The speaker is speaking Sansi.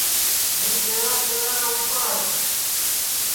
ہوں سیورا سیورا کا اُٹھتا ہے